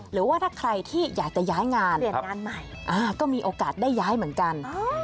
หรือว่าถ้าใครที่อยากจะย้ายงานก็มีโอกาสได้ย้ายเหมือนกัน